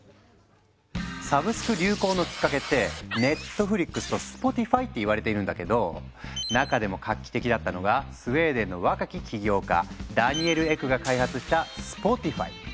サブスク流行のきっかけって「ＮＥＴＦＬＩＸ」と「Ｓｐｏｔｉｆｙ」って言われているんだけど中でも画期的だったのがスウェーデンの若き起業家ダニエル・エクが開発した「スポティファイ」。